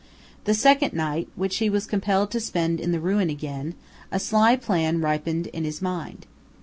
The second night, which he was compelled to spend in the ruin again, a sly plan ripened in his mind.